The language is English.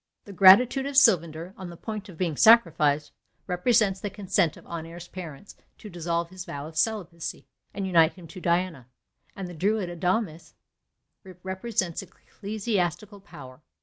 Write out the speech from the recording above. The gratitude of Sylvander, on the point of being sacrificed, represents the consent of Honoré's parents to dissolve his vow of celibacy, and unite him to Diana; and the druid Adamas represents ecclesiastical power.